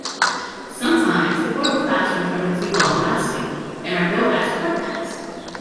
Sometimes, the portable classrooms are meant to be long-lasting and are built as "portapacks".